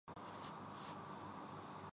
ایک سال کے لیے ایمرجنسی نافذ کر دی گئی